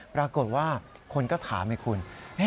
ปรากฏว่าคนก็ถามไงคุณ